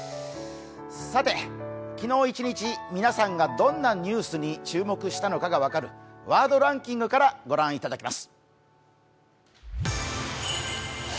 さて、昨日一日、皆さんがどんなニュースに注目したのかが分かる「ワードランキング」から御覧いただきます。